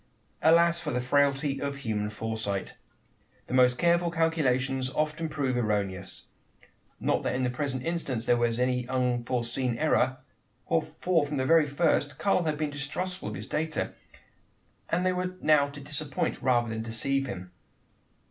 Alas! for the frailty of all human foresight! The most careful calculations often prove erroneous not that in the present instance there was any unforeseen error: for from the very first, Karl had been distrustful of his data; and they were now to disappoint, rather than deceive him.